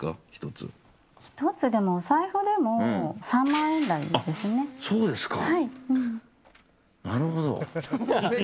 １つ、でもお財布でも３万円台ですね。